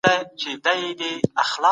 موږ ټول سره ملګري یو.